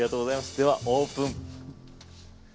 ではオープン。